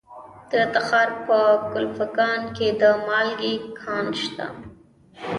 د تخار په کلفګان کې د مالګې کان شته.